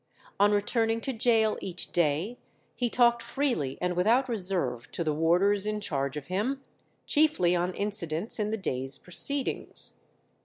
On returning to gaol each day he talked freely and without reserve to the warders in charge of him, chiefly on incidents in the day's proceedings.